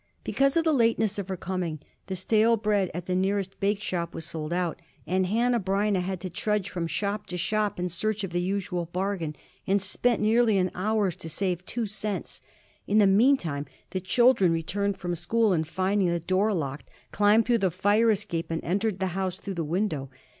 Because of the lateness of her coming, the stale bread at the nearest bake shop was sold out, and Hanneh Breineh had to trudge from shop to shop in search of the usual bargain, and spent nearly an hour to save two cents. In the meantime the children returned from school, and, finding the door locked, climbed through the fire escape, and entered the house through the window.